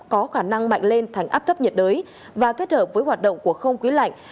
có khả năng mạnh lên thành áp thấp nhiệt đới và kết hợp với hoạt động của không khí lạnh